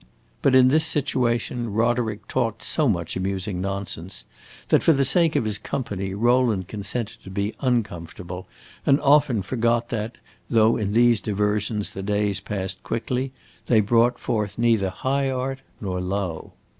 But in this situation Roderick talked so much amusing nonsense that, for the sake of his company, Rowland consented to be uncomfortable, and often forgot that, though in these diversions the days passed quickly, they brought forth neither high art nor low.